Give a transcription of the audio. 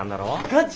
ガチ？